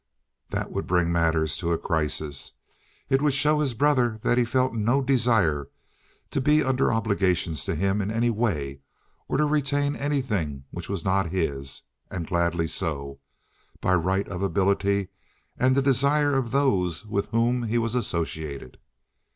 That would bring matters to a crisis. It would show his brother that he felt no desire to be under obligations to him in any way or to retain anything which was not his—and gladly so—by right of ability and the desire of those with whom he was associated.